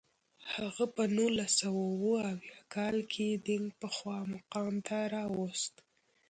هغه په نولس سوه اووه اویا کال کې دینګ پخوا مقام ته راوست.